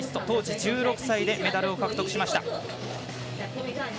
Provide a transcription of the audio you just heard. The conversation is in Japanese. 当時、１６歳でメダルを獲得しました。